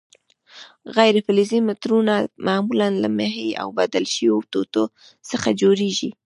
غیر فلزي مترونه معمولاً له محې او بدل شویو ټوټو څخه جوړیږي.